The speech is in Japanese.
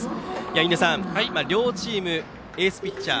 印出さん、両チームエースピッチャー